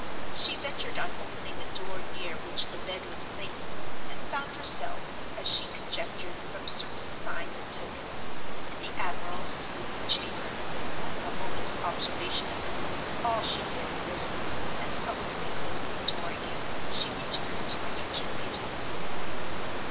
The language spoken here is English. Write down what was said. She ventured on opening the door near which the bed was placed, and found herself, as she conjectured from certain signs and tokens, in the admiral's sleeping chamber. A moment's observation of the room was all she dared risk, and, softly closing the door again, she returned to the kitchen regions.